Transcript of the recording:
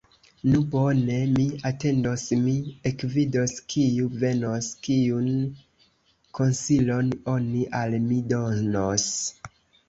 Nu bone, mi atendos, mi ekvidos, kiu venos, kiun konsilon oni al mi donos!